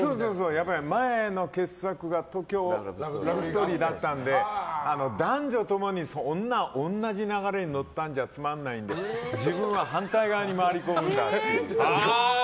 前の傑作が「東京ラブストーリー」だったんで男女共に同じ流れに乗ったんじゃつまんないんで自分は反対側に回り込んでっていう。